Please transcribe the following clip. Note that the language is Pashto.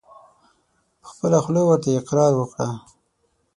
په خپله خوله ورته اقرار وکړه !